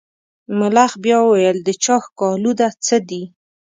ملخ بیا وویل د چا ښکالو ده څه دي.